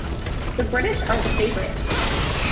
The British are the favorites.